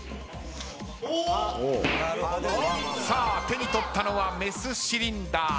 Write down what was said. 手に取ったのはメスシリンダー。